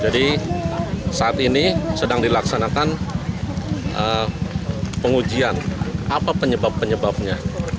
jadi saat ini sedang dilaksanakan pengujian apa penyebab penyebabnya